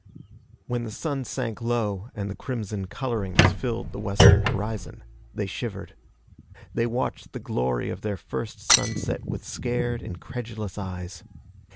When the sun sank low and the crimson colorings filled the western horizon, they shivered. They watched the glory of their first sunset with scared, incredulous eyes.